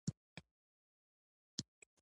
فاروق، د روميانو رب دې پیدا نه کړ؟ هو.